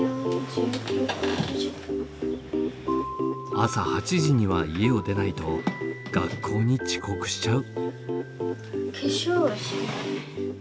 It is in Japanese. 朝８時には家を出ないと学校に遅刻しちゃう。